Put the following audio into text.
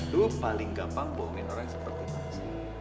duh paling gampang bohongin orang seperti mas